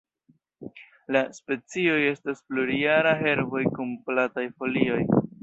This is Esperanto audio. La specioj estas plurjaraj herboj kun plataj folioj.